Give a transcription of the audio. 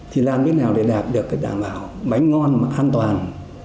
thì làm thế nào để đảm bảo bánh ngon mà an toàn